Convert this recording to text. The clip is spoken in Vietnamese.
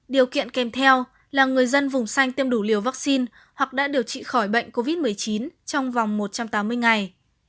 điều kiện kèm theo là người dân vùng xanh tiêm đủ liều vaccine hoặc đã điều trị khỏi bệnh covid một mươi chín trong vòng một trăm tám mươi ngày